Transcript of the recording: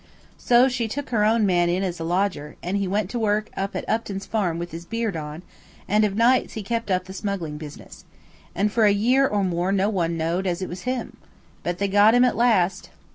"So she took her own man in as a lodger, and he went to work up at Upton's Farm with his beard on, and of nights he kept up the smuggling business. And for a year or more no one knowd as it was him. But they got him at last."